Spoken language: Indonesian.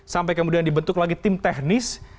sampai kemudian dibentuk lagi tim teknis